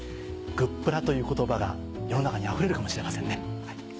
「グップラ」という言葉が世の中に溢れるかもしれませんね。